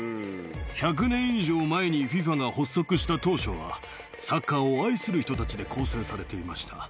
１００年以上前にＦＩＦＡが発足した当初は、サッカーを愛する人たちで構成されていました。